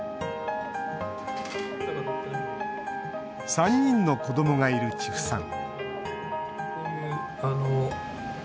３人の子どもがいる千布さん